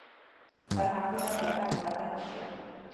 • فرهنګونه چټک بدل شول.